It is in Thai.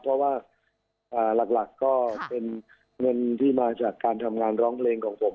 เพราะว่าหลักก็เป็นเงินที่มาจากการทำงานร้องเพลงของผม